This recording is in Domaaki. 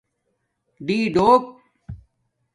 ڈئ ڈݸک